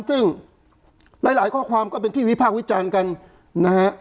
ซึ่งหลายข้อความก็เป็นที่วิพากษ์วิจารณ์กันนะฮะ